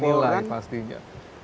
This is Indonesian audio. dan menilai pastinya